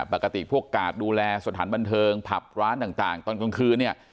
ปกติพวกกาดดูแลสถานบันเทิงผับร้านต่างตอนกลางคืนเนี่ย